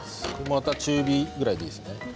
また中火ぐらいでいいですね。